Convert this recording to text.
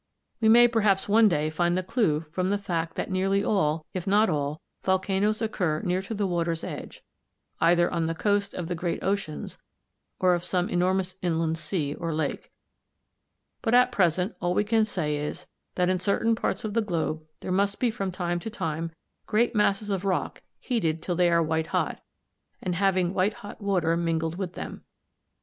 We may perhaps one day find the clue from the fact that nearly all, if not all, volcanoes occur near to the water's edge, either on the coast of the great oceans or of some enormous inland sea or lake. But at present all we can say is, that in certain parts of the globe there must be from time to time great masses of rock heated till they are white hot, and having white hot water mingled with them.